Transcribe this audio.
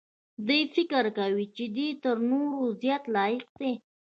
دی فکر کوي چې دی تر نورو زیات لایق دی.